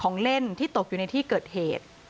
ของเล่นที่ตกอยู่ในที่เกิดเหตุ